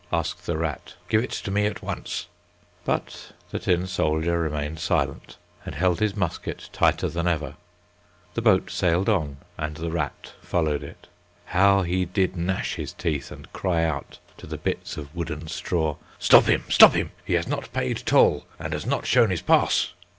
asked the rat, "give it to me at once." But the tin soldier remained silent and held his musket tighter than ever. The boat sailed on and the rat followed it. How he did gnash his teeth and cry out to the bits of wood and straw, "Stop him, stop him; he has not paid toll, and has not shown his pass."